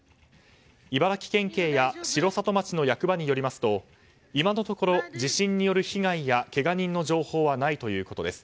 茨城県警や城里町の役場によりますと今のところ地震による被害やけが人の情報はないということです。